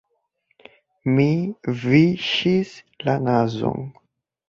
Mi viŝis la nazon.